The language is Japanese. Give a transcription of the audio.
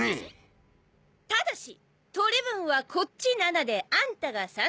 ただし取り分はこっち７であんたが３で。